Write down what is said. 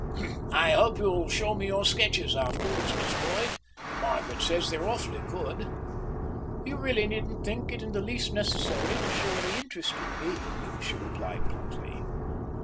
"I hope you'll show me your sketches afterwards, Miss Boyd. Margaret says they're awfully good." "You really needn't think it in the least necessary to show any interest in me," she replied bluntly.